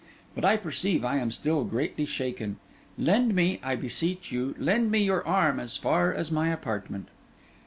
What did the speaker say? But I perceive I am still greatly shaken. Lend me, I beseech you, lend me your arm as far as my apartment.